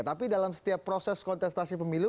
tapi dalam setiap proses kontestasi pemilu